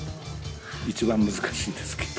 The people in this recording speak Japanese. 一番難しいですけど。